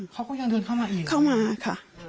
เขาก็ยังเดินเข้ามาเองเข้ามาค่ะ